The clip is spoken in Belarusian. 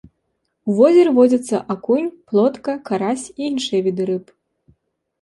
У возеры водзяцца акунь, плотка, карась і іншыя віды рыб.